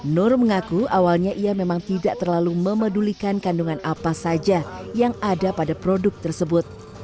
nur mengaku awalnya ia memang tidak terlalu memedulikan kandungan apa saja yang ada pada produk tersebut